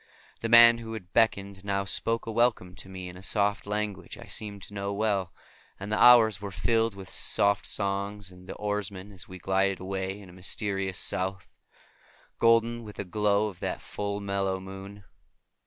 The man who had beckoned now spoke a welcome to me in a soft language I seemed to know well, and the hours were filled with soft songs of the oarsmen as we glided away into a mysterious South, golden with the glow of that full, mellow moon.